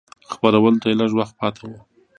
خپرولو ته یې لږ وخت پاته و.